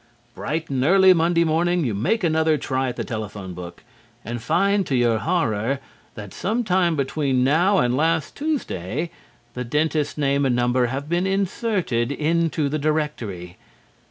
Bright and early Monday morning you make another try at the telephone book, and find, to your horror, that some time between now and last Tuesday the dentist's name and number have been inserted into the directory.